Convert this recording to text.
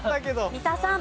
三田さん。